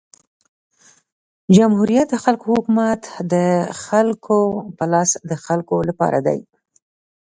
جمهوریت د خلکو حکومت د خلکو په لاس د خلکو له پاره دئ.